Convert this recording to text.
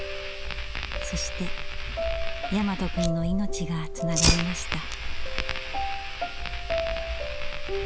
そして大和くんの命がつながりました。